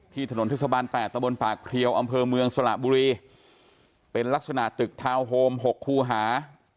ถนนเทศบาล๘ตะบนปากเพลียวอำเภอเมืองสระบุรีเป็นลักษณะตึกทาวน์โฮม๖คู่หา